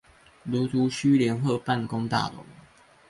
蘆竹區聯合辦公大樓